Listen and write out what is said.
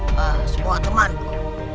eeeh semua temanku